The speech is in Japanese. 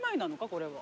これは。